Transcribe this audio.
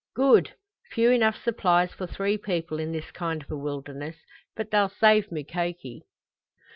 "Good! Few enough supplies for three people in this kind of a wilderness but they'll save Mukoki!"